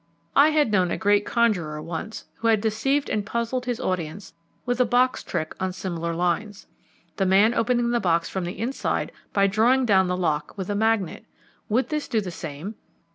I had known a great conjurer once, who had deceived and puzzled his audience with a box trick on similar lines: the man opening the box from the inside by drawing down the lock with a magnet. Would this do the same?